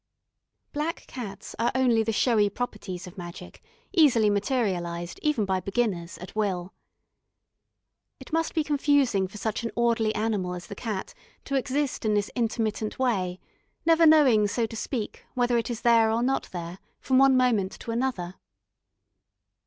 Black cats are only the showy properties of magic, easily materialised, even by beginners, at will. It must be confusing for such an orderly animal as the cat to exist in this intermittent way, never knowing, so to speak, whether it is there or not there, from one moment to another.